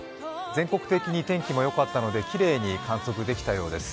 全国的に天気もよかったので、きれいに観測できたようです。